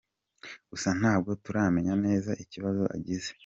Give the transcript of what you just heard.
Gusa ntabwo turamenya neza ikibazo agize.